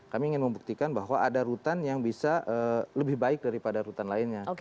kami ingin membuktikan bahwa ada rutan yang bisa lebih baik daripada rutan lainnya